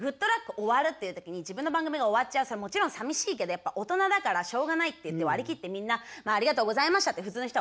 終わるっていう時に自分の番組が終わっちゃうそれはもちろん寂しいけどやっぱ大人だからしょうがないって言って割り切ってみんな「ありがとうございました」って普通の人は終わらすのね。